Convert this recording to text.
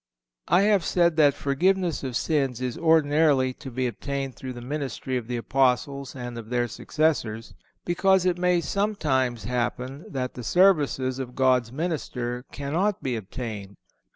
I have said that forgiveness of sins is ordinarily to be obtained through the ministry of the Apostles and of their successors, because it may sometimes happen that the services of God's minister cannot be obtained.